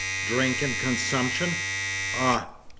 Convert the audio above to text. Drink and consumption! Ah!